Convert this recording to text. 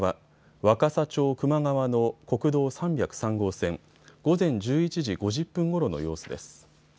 若狭町熊川の国道３０３号線、午前１１時５０分ごろの様子です。